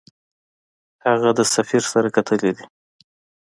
هغه د سفیر سره کتلي دي.